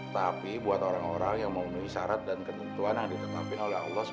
tapi buat orang orang yang mau menulis syarat dan ketentuan yang ditetapin oleh allah swt